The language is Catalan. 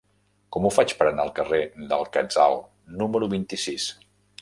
Com ho faig per anar al carrer del Quetzal número vint-i-sis?